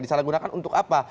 disalahgunakan untuk apa